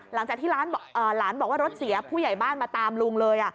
หลังจากที่หลานบอกว่ารถเสียผู้ใหญ่บ้านมาตามลุงเลย